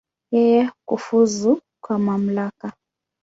Yeye kufuzu kwa mamlaka.